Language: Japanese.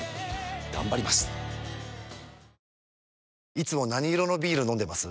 いつも何色のビール飲んでます？